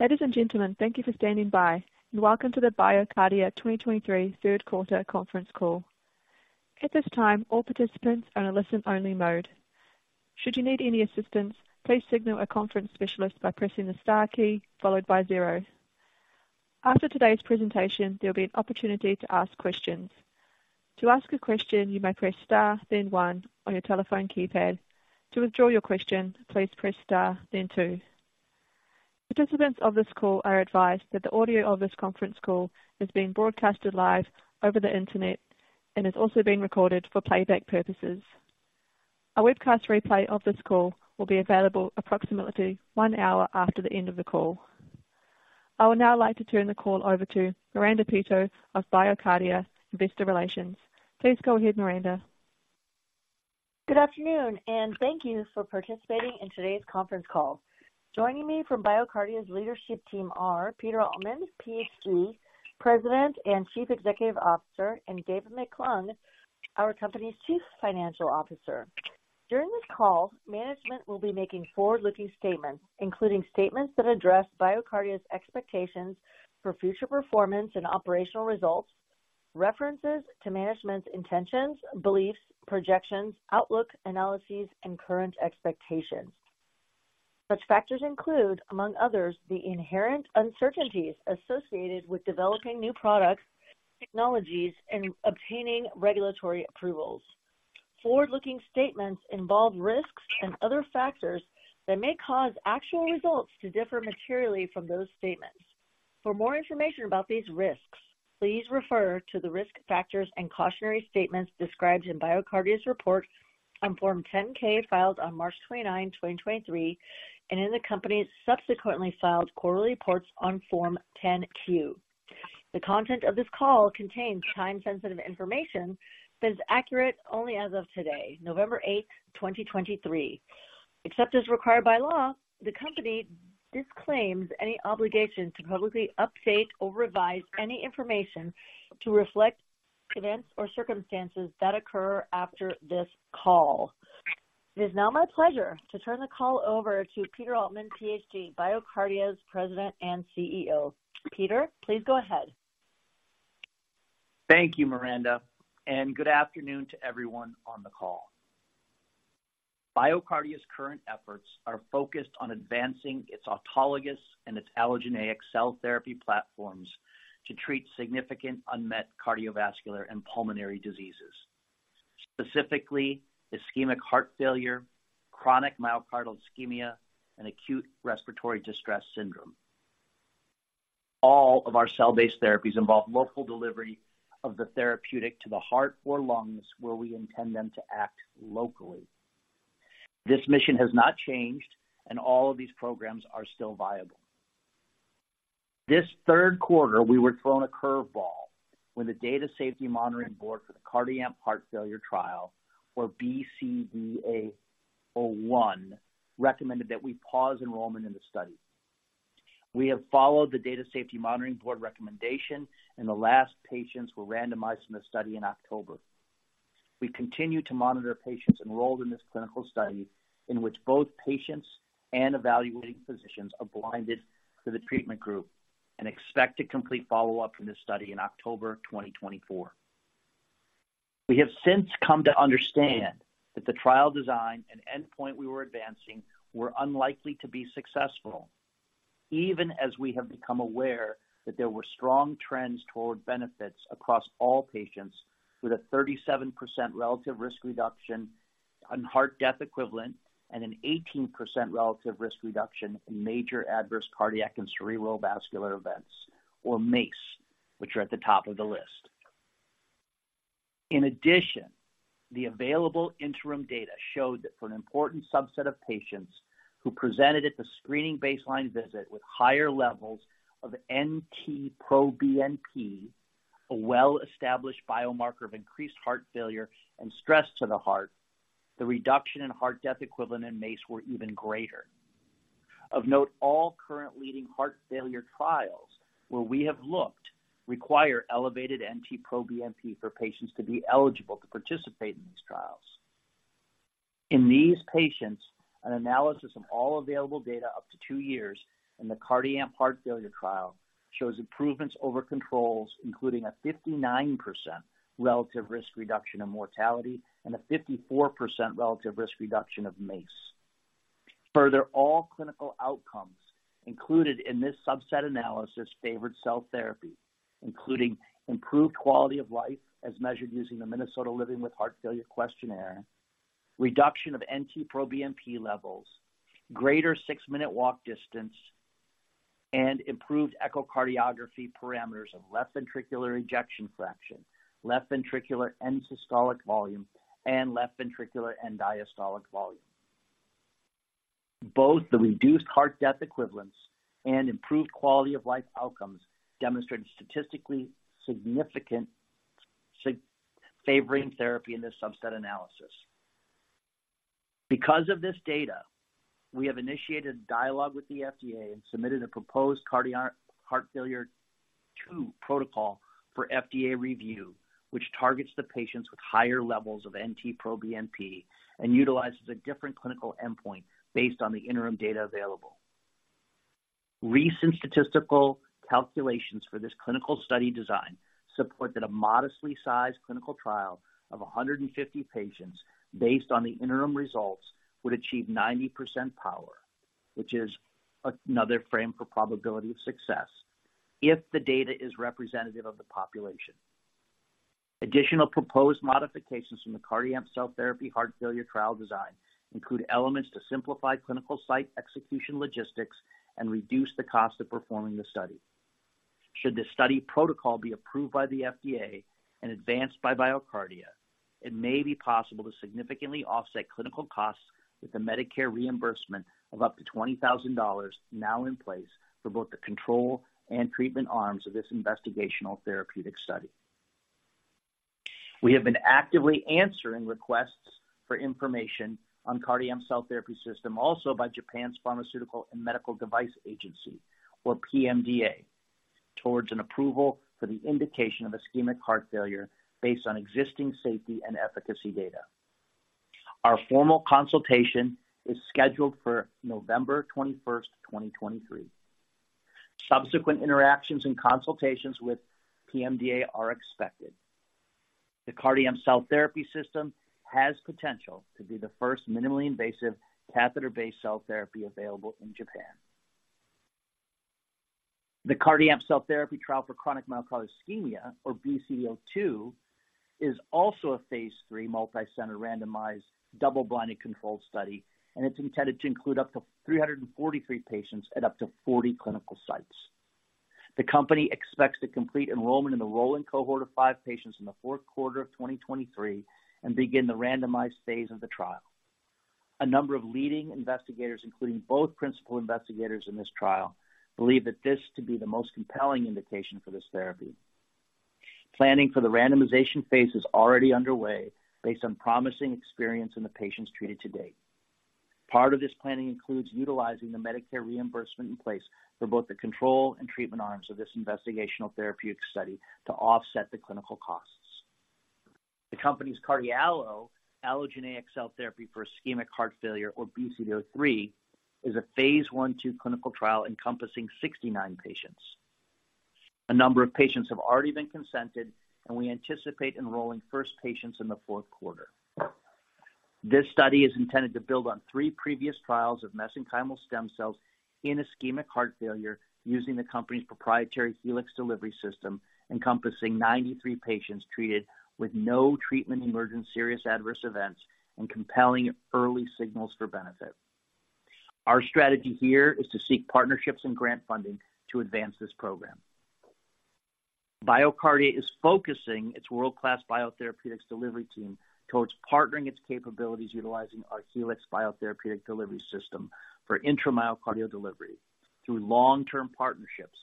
Ladies and gentlemen, thank you for standing by and welcome to the BioCardia 2023 third quarter conference call. At this time, all participants are in a listen-only mode. Should you need any assistance, please signal a conference specialist by pressing the star key followed by zero. After today's presentation, there will be an opportunity to ask questions. To ask a question, you may press star, then one on your telephone keypad. To withdraw your question, please press star, then two. Participants of this call are advised that the audio of this conference call is being broadcasted live over the internet and is also being recorded for playback purposes. A webcast replay of this call will be available approximately one hour after the end of the call. I would now like to turn the call over to Miranda Peto of BioCardia Investor Relations. Please go ahead, Miranda. Good afternoon, and thank you for participating in today's conference call. Joining me from BioCardia's leadership team are Peter Altman, Ph.D., President and Chief Executive Officer, and David McClung, our company's Chief Financial Officer. During this call, management will be making forward-looking statements, including statements that address BioCardia's expectations for future performance and operational results, references to management's intentions, beliefs, projections, outlook, analyses, and current expectations. Such factors include, among others, the inherent uncertainties associated with developing new products, technologies, and obtaining regulatory approvals. Forward-looking statements involve risks and other factors that may cause actual results to differ materially from those statements. For more information about these risks, please refer to the risk factors and cautionary statements described in BioCardia's report on Form 10-K, filed on March 29, 2023, and in the company's subsequently filed quarterly reports on Form 10-Q. The content of this call contains time-sensitive information that is accurate only as of today, November 8, 2023. Except as required by law, the company disclaims any obligation to publicly update or revise any information to reflect events or circumstances that occur after this call. It is now my pleasure to turn the call over to Peter Altman, Ph.D., BioCardia's President and CEO. Peter, please go ahead. Thank you, Miranda, and good afternoon to everyone on the call. BioCardia's current efforts are focused on advancing its autologous and its allogeneic cell therapy platforms to treat significant unmet cardiovascular and pulmonary diseases, specifically ischemic heart failure, chronic myocardial ischemia, and acute respiratory distress syndrome. All of our cell-based therapies involve local delivery of the therapeutic to the heart or lungs, where we intend them to act locally. This mission has not changed and all of these programs are still viable. This third quarter, we were thrown a curveball when the Data Safety Monitoring Board for the CardiAMP Heart Failure Trial, or BCDA-01, recommended that we pause enrollment in the study. We have followed the Data Safety Monitoring Board recommendation and the last patients were randomized in the study in October. We continue to monitor patients enrolled in this clinical study, in which both patients and evaluating physicians are blinded to the treatment group and expect to complete follow-up from this study in October 2024. We have since come to understand that the trial design and endpoint we were advancing were unlikely to be successful, even as we have become aware that there were strong trends toward benefits across all patients, with a 37% relative risk reduction in heart death equivalent and an 18% relative risk reduction in major adverse cardiac and cerebral vascular events, or MACE, which are at the top of the list. In addition, the available interim data showed that for an important subset of patients who presented at the screening baseline visit with higher levels of NT-proBNP, a well-established biomarker of increased heart failure and stress to the heart, the reduction in heart death equivalent in MACE were even greater. Of note, all current leading heart failure trials where we have looked, require elevated NT-proBNP for patients to be eligible to participate in these trials. In these patients, an analysis of all available data up to two years in the CardiAMP Heart Failure Trial shows improvements over controls, including a 59% relative risk reduction in mortality and a 54% relative risk reduction of MACE. Further, all clinical outcomes included in this subset analysis favored cell therapy, including improved quality of life as measured using the Minnesota Living with Heart Failure Questionnaire, reduction of NT-proBNP levels, greater six-minute walk distance, and improved echocardiography parameters of left ventricular ejection fraction, left ventricular end-systolic volume, and left ventricular end-diastolic volume. Both the reduced heart death equivalents and improved quality of life outcomes demonstrated statistically significant favoring therapy in this subset analysis. Because of this data, we have initiated dialogue with the FDA and submitted a proposed CardiAMP heart failure phase II protocol for FDA review, which targets the patients with higher levels of NT-proBNP and utilizes a different clinical endpoint based on the interim data available. Recent statistical calculations for this clinical study design supported a modestly sized clinical trial of 150 patients based on the interim results, would achieve 90% power, which is another frame for probability of success, if the data is representative of the population. Additional proposed modifications from the CardiAMP Cell Therapy Heart Failure Trial design include elements to simplify clinical site execution logistics and reduce the cost of performing the study. Should this study protocol be approved by the FDA and advanced by BioCardia, it may be possible to significantly offset clinical costs with the Medicare reimbursement of up to $20,000 now in place for both the control and treatment arms of this investigational therapeutic study. We have been actively answering requests for information on CardiAMP Cell Therapy System, also by Japan's Pharmaceuticals and Medical Devices Agency, or PMDA, towards an approval for the indication of ischemic heart failure based on existing safety and efficacy data. Our formal consultation is scheduled for November 21, 2023. Subsequent interactions and consultations with PMDA are expected. The CardiAMP Cell Therapy System has potential to be the first minimally invasive catheter-based cell therapy available in Japan. The CardiAMP cell therapy trial for chronic myocardial ischemia, or BCDA-02, is also a phase III multi-center, randomized, double-blinded, controlled study, and it's intended to include up to 343 patients at up to 40 clinical sites. The company expects to complete enrollment in the rolling cohort of five patients in the fourth quarter of 2023 and begin the randomized phase of the trial. A number of leading investigators, including both principal investigators in this trial, believe that this to be the most compelling indication for this therapy. Planning for the randomization phase is already underway based on promising experience in the patients treated to date. Part of this planning includes utilizing the Medicare reimbursement in place for both the control and treatment arms of this investigational therapeutic study to offset the clinical costs. The company's CardiALLO allogeneic cell therapy for ischemic heart failure, or BCDA-03, is a phase I/II clinical trial encompassing 69 patients. A number of patients have already been consented, and we anticipate enrolling first patients in the fourth quarter. This study is intended to build on three previous trials of mesenchymal stem cells in ischemic heart failure, using the company's proprietary Helix delivery system, encompassing 93 patients treated with no treatment-emergent serious adverse events and compelling early signals for benefit. Our strategy here is to seek partnerships and grant funding to advance this program. BioCardia is focusing its world-class biotherapeutics delivery team towards partnering its capabilities, utilizing our Helix biotherapeutic delivery system for intramyocardial delivery through long-term partnerships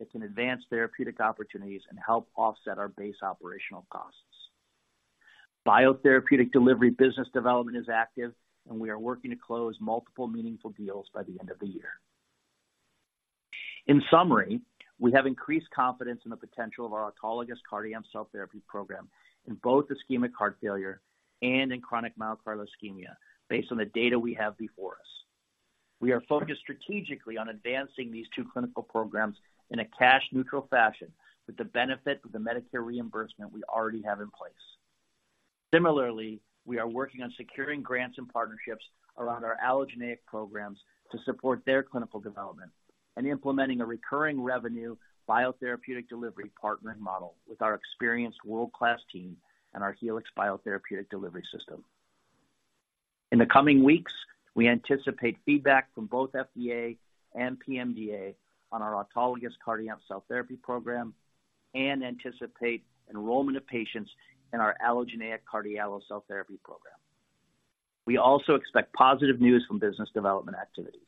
that can advance therapeutic opportunities and help offset our base operational costs. Biotherapeutic delivery business development is active, and we are working to close multiple meaningful deals by the end of the year. In summary, we have increased confidence in the potential of our autologous CardiAMP cell therapy program in both ischemic heart failure and in chronic myocardial ischemia, based on the data we have before us. We are focused strategically on advancing these two clinical programs in a cash neutral fashion, with the benefit of the Medicare reimbursement we already have in place. Similarly, we are working on securing grants and partnerships around our allogeneic programs to support their clinical development and implementing a recurring revenue biotherapeutic delivery partner model with our experienced world-class team and our Helix biotherapeutic delivery system. In the coming weeks, we anticipate feedback from both FDA and PMDA on our autologous CardiAMP cell therapy program and anticipate enrollment of patients in our allogeneic CardiALLO cell therapy program. We also expect positive news from business development activities.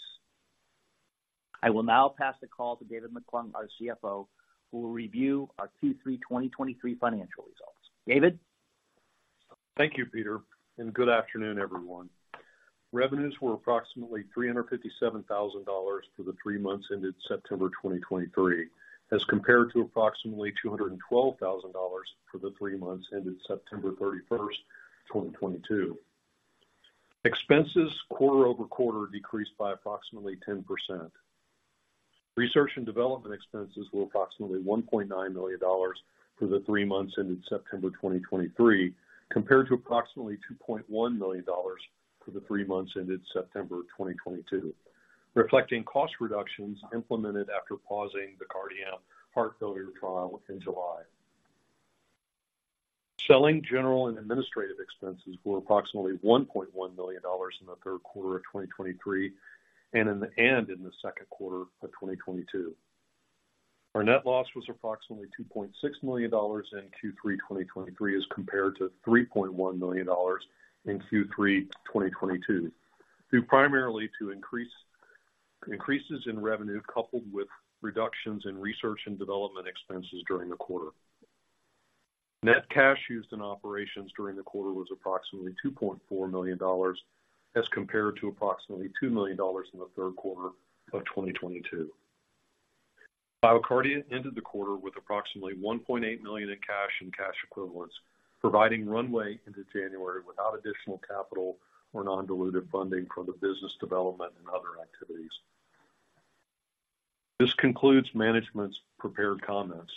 I will now pass the call to David McClung, our CFO, who will review our Q3 2023 financial results. David? Thank you, Peter, and good afternoon, everyone. Revenues were approximately $357,000 for the three months ended September 2023, as compared to approximately $212,000 for the three months ended September 30, 2022. Expenses quarter over quarter decreased by approximately 10%. Research and development expenses were approximately $1.9 million for the three months ended September 2023, compared to approximately $2.1 million for the three months ended September 2022, reflecting cost reductions implemented after pausing the CardiAMP Heart Failure Trial in July. Selling general and administrative expenses were approximately $1.1 million in the third quarter of 2023, and in the second quarter of 2022. Our net loss was approximately $2.6 million in Q3 2023, as compared to $3.1 million in Q3 2022, due primarily to increases in revenue, coupled with reductions in research and development expenses during the quarter. Net cash used in operations during the quarter was approximately $2.4 million, as compared to approximately $2 million in the third quarter of 2022. BioCardia ended the quarter with approximately $1.8 million in cash and cash equivalents, providing runway into January without additional capital or non-dilutive funding for the business development and other activities. This concludes management's prepared comments.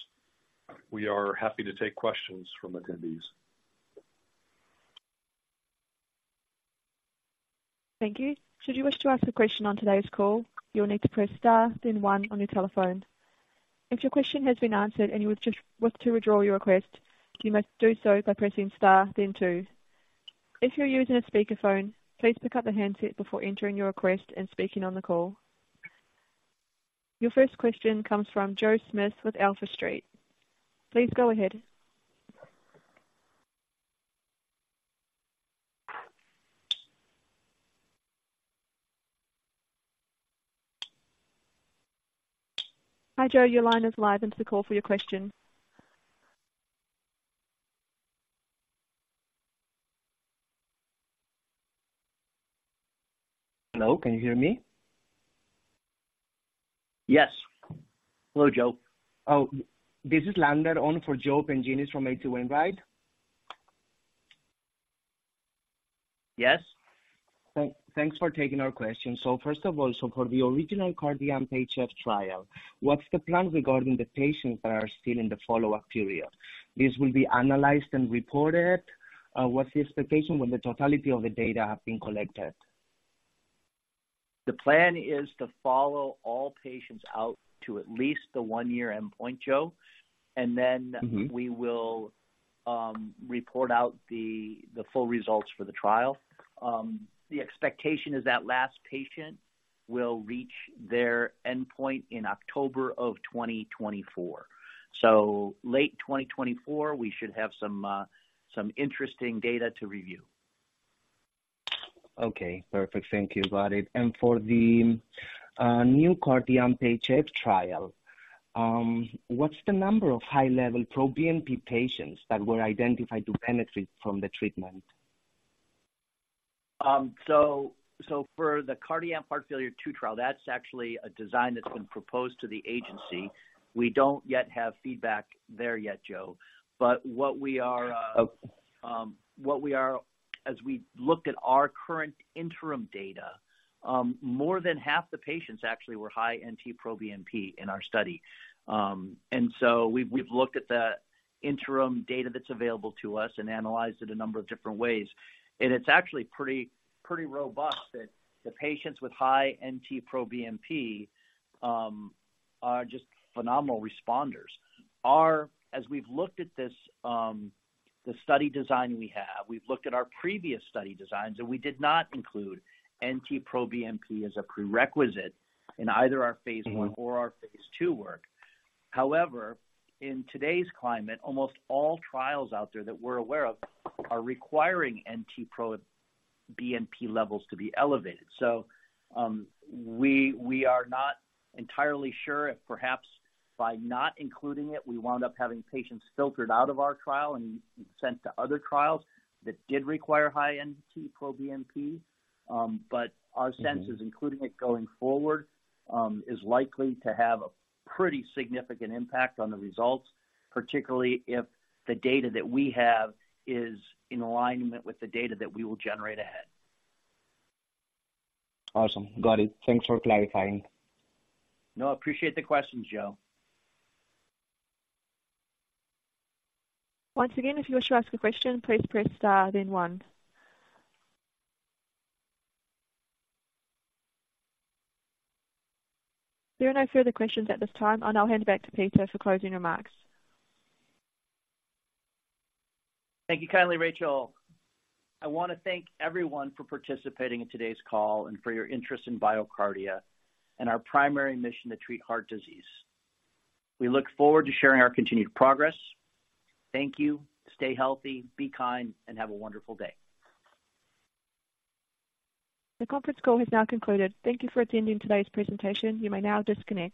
We are happy to take questions from attendees. Thank you. Should you wish to ask a question on today's call, you'll need to press star, then one on your telephone. If your question has been answered and you would wish to withdraw your request, you must do so by pressing star then two. If you're using a speakerphone, please pick up the handset before entering your request and speaking on the call. Your first question comes from Joe Pantginis with H.C. Wainwright. Please go ahead. Hi, Joe, your line is live into the call for your question. Hello, can you hear me? Yes. Hello, Joe. Oh, this is Lander, on for Joe Pantginis from H.C. Wainwright, right? Yes. Thanks for taking our question. So first of all, so for the original CardiAMP HF trial, what's the plan regarding the patients that are still in the follow-up period? This will be analyzed and reported. What's the expectation when the totality of the data have been collected? The plan is to follow all patients out to at least the one-year endpoint, Joe, and then- Mm-hmm. We will report out the full results for the trial. The expectation is that last patient will reach their endpoint in October of 2024. So late 2024, we should have some interesting data to review. Okay, perfect. Thank you. Got it. And for the new CardiAMP HF trial, what's the number of high-level NT-proBNP patients that were identified to benefit from the treatment? So, for the CardiAMP Heart Failure II Trial, that's actually a design that's been proposed to the agency. We don't yet have feedback there, Joe. But what we are, Okay. What we are, as we look at our current interim data, more than half the patients actually were high NT-proBNP in our study. And so we've looked at the interim data that's available to us and analyzed it a number of different ways, and it's actually pretty, pretty robust that the patients with high NT-proBNP are just phenomenal responders. As we've looked at this, the study design we have, we've looked at our previous study designs, and we did not include NT-proBNP as a prerequisite in either our phase I- Mm-hmm. -or our phase II work. However, in today's climate, almost all trials out there that we're aware of are requiring NT-proBNP levels to be elevated. So, we are not entirely sure if perhaps by not including it, we wound up having patients filtered out of our trial and sent to other trials that did require high NT-proBNP. But our sense- Mm-hmm. is including it going forward, is likely to have a pretty significant impact on the results, particularly if the data that we have is in alignment with the data that we will generate ahead. Awesome. Got it. Thanks for clarifying. No, I appreciate the question, Joe. Once again, if you wish to ask a question, please press star, then one. There are no further questions at this time. I'll now hand it back to Peter for closing remarks. Thank you kindly, Rachel. I want to thank everyone for participating in today's call and for your interest in BioCardia and our primary mission to treat heart disease. We look forward to sharing our continued progress. Thank you. Stay healthy, be kind, and have a wonderful day. The conference call has now concluded. Thank you for attending today's presentation. You may now disconnect.